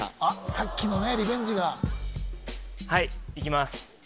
さっきのねリベンジがはいいきます